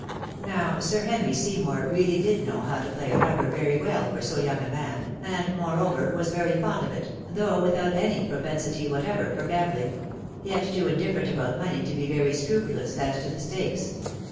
Now Sir Henry Seymour really did know how to play a rub ber very well for so young a man, and moreover was very fond of it, though without any propensity whatever for gambling ; yet too indifferent about money to be very scrupulous as to the stakes.